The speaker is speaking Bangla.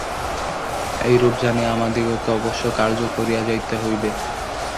এইরূপ জানিয়া আমাদিগকে অবশ্য কার্য করিয়া যাইতে হইবে।